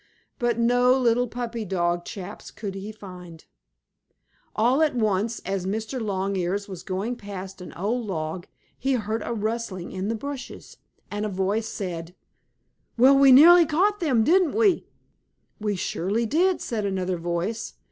But no little puppy dog chaps could he find. All at once, as Mr. Longears was going past an old log he heard a rustling in the bushes, and a voice said: "Well, we nearly caught them, didn't we?" "We surely did," said another voice.